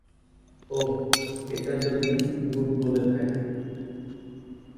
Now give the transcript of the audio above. ওহ, এটা যদি... বুট বলে থাকে।